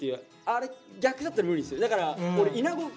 あれ逆だったら無理っすね。